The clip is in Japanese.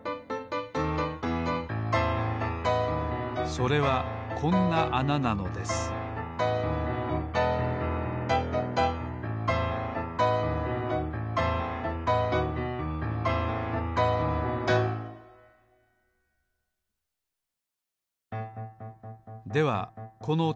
それはこんなあななのですではこのてつぼうのよう